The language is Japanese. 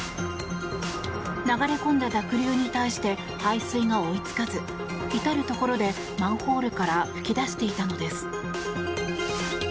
流れ込んだ濁流に対して排水が追いつかず至るところでマンホールから噴き出していたのです。